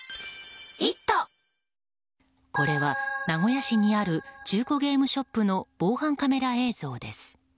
これは、名古屋市にある中古ゲームショップの防犯カメラ映像です。